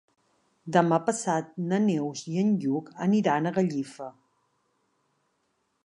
Demà passat na Neus i en Lluc aniran a Gallifa.